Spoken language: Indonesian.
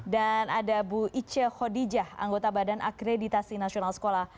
dan ada bu ice khodijah anggota badan akreditasi nasional sekolah